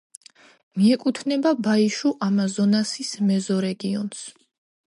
მიეკუთვნება ბაიშუ-ამაზონასის მეზორეგიონს.